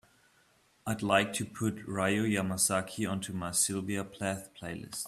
I'd like to put Ryō Yamazaki onto my sylvia plath playlist.